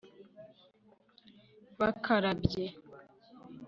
bakarabye